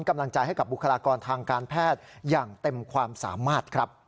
กำลังใจให้กับบุคลากรทางการแพทย์อย่างเต็มความสามารถครับ